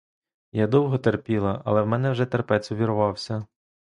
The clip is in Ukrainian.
Я довго терпіла, але в мене вже терпець увірвався.